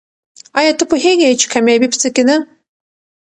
آیا ته پوهېږې چې کامیابي په څه کې ده؟